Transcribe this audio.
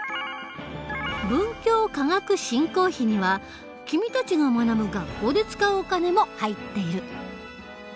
文教科学振興費には君たちが学ぶ学校で使うお金も入っている。